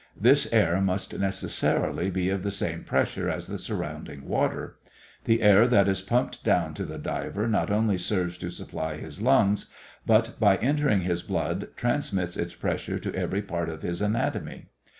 This air must necessarily be of the same pressure as the surrounding water. The air that is pumped down to the diver not only serves to supply his lungs, but by entering his blood transmits its pressure to every part of his anatomy.